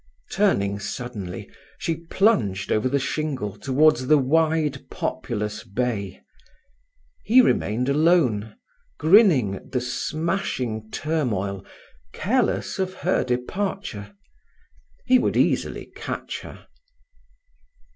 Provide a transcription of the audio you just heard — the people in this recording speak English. Turning suddenly, she plunged over the shingle towards the wide, populous bay. He remained alone, grinning at the smashing turmoil, careless of her departure. He would easily catch her.